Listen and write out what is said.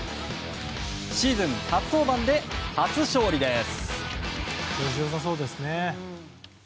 シーズン初登板で初勝利です。